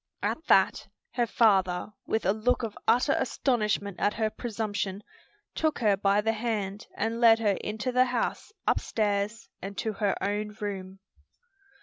At that, her father, with a look of utter astonishment at her presumption, took her by the hand and led her into the house, upstairs and to her own room.